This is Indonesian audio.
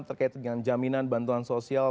terkait dengan jaminan bantuan sosial